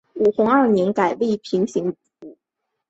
洪武二年改隶北平行省北平府。